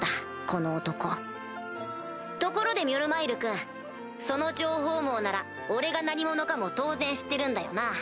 この男ところでミョルマイルくんその情報網なら俺が何者かも当然知ってるんだよな？